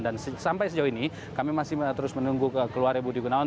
dan sampai sejauh ini kami masih terus menunggu keluarnya budi gunawan